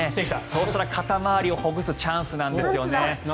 そしたら、肩回りをほぐすチャンスなんですよね。